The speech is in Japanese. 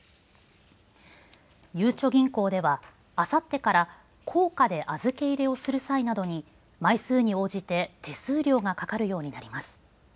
ゆうちょ銀行ではあさってから硬貨で預け入れをする際などに枚数に応じて手数料がかかるようになります。